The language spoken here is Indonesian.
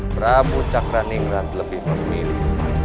prabu cakra ningrat lebih memilih